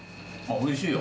おいしいよ。